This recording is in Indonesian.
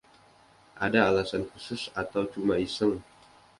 Ada alasan khusus, atau cuma iseng?